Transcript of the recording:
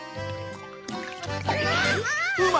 うわ！